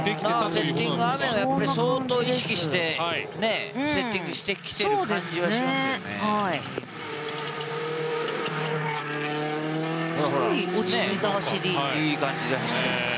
セッティング雨を相当意識してセッティングしてきている感じはしますよね。